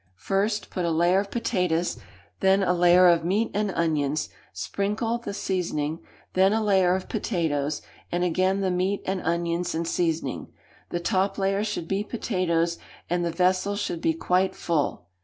First put a layer of potatoes, then a layer of meat and onions, sprinkle the seasoning, then a layer of potatoes, and again the meat and onions and seasoning; the top layer should be potatoes, and the vessel should be quite full.